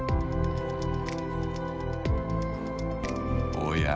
おや？